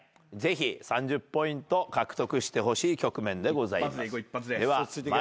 ぜひ３０ポイント獲得してほしい局面です。